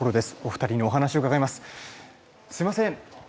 すいません。